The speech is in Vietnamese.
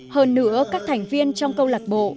hơn nữa các thành viên trong câu lạc bộ